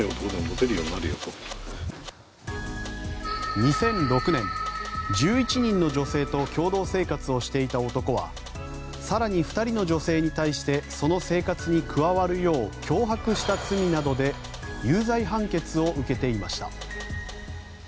２００６年１１人の女性と共同生活をしていた男は更に２人の女性に対してその生活に加わるよう脅迫した罪などで有罪判決を受けていました。